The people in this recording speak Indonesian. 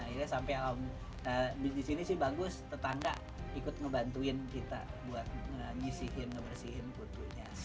ini sampai disini sih bagus tetangga ikut ngebantuin kita buat ngisihin ngebersihin putuhnya